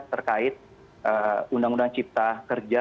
terkait undang undang cipta kerja